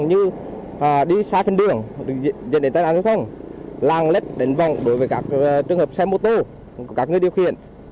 như đi sai phần đường dẫn đến tai nạn trái thông làng lét đến vòng đối với các trường hợp xe mô tô của các người điều khiển